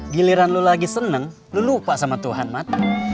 giliran lu lagi seneng lu lupa sama tuhan mati